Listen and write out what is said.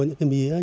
những cái mía này